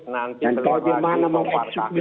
nanti kelima lagi kupar kaki